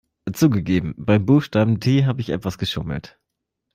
Zugegeben, beim Buchstaben T habe ich etwas geschummelt.